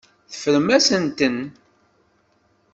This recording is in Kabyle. Teffrem-asent-ten.